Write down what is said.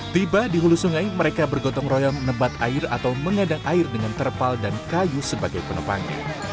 tiba di hulu sungai mereka bergotong royong menebat air atau mengadang air dengan terpal dan kayu sebagai penumpangnya